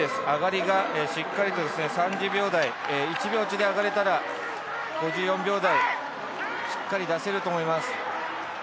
上がりがしっかり３０秒台であがれたら５４秒台しっかり出せると思います。